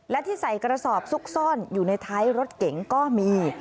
และที่ใส่กระสอบซุกซ่อนอยู่ในท้ายรถเก๋งก็มี